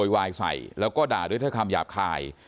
วายใส่แล้วก็ด่าด้วยคำหยาบคาย